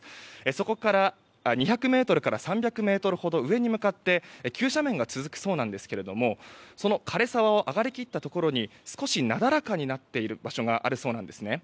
そこから２００ｍから３００ｍほど上に向かって急斜面が続くそうなんですがその枯れ沢を上がりきったところに少しなだらかになっている場所があるそうなんですね。